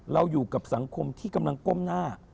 อยู่กับสังคมที่กำลังก้มหน้า